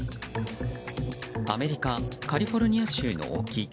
アメリカ・カリフォルニア州の沖。